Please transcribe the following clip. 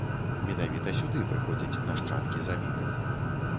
Менавіта сюды прыходзяць нашчадкі забітых.